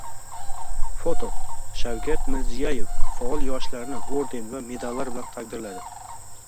Foto: Shavkat Mirziyoyev faol yoshlarni orden va medallar bilan taqdirladi